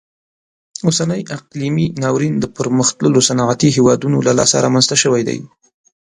اوسنی اقلیمي ناورین د پرمختللو صنعتي هیوادونو له لاسه رامنځته شوی دی.